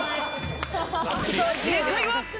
正解は。